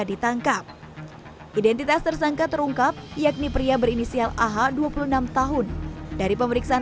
ditangkap identitas tersangka terungkap yakni pria berinisial ah dua puluh enam tahun dari pemeriksaan